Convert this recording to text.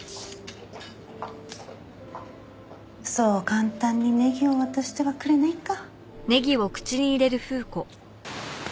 そう簡単にネギを渡してはくれないか。